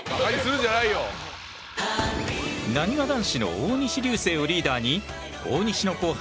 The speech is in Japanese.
なにわ男子の大西流星をリーダーに大西の後輩